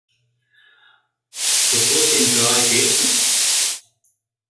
Tu kustini kāju pirkstus!